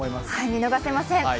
見逃せません。